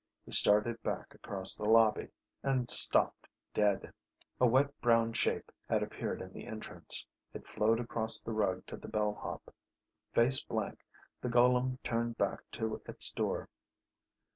He started back across the lobby and stopped dead. A wet brown shape had appeared in the entrance. It flowed across the rug to the bellhop. Face blank, the golem turned back to its door.